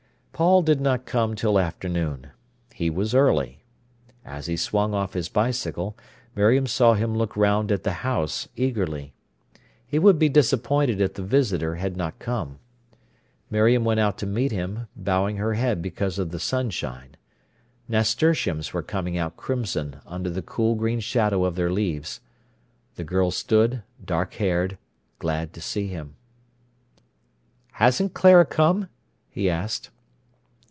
Paul did not come till afternoon. He was early. As he swung off his bicycle, Miriam saw him look round at the house eagerly. He would be disappointed if the visitor had not come. Miriam went out to meet him, bowing her head because of the sunshine. Nasturtiums were coming out crimson under the cool green shadow of their leaves. The girl stood, dark haired, glad to see him. "Hasn't Clara come?" he asked.